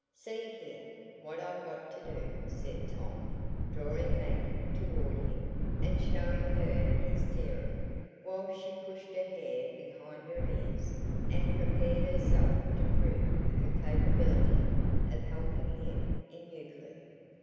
See here! what I've got to do," said Tom, drawing Maggie toward him and showing her his theorem, while she pushed her hair behind her ears, and prepared herself to prove her capability of helping him in Euclid.